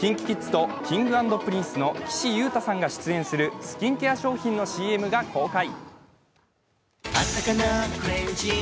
ＫｉｎＫｉＫｉｄｓとＫｉｎｇ＆Ｐｒｉｎｃｅの岸優太さんが出演するスキンケア商品のＣＭが公開。